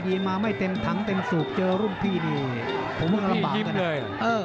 พี่ยิ้มเลย